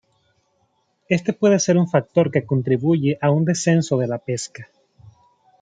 Este puede ser un factor que contribuye a un descenso de la pesca.